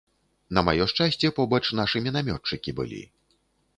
На маё шчасце, побач нашы мінамётчыкі былі.